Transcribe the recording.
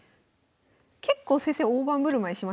結構先生大盤振る舞いしましたけど。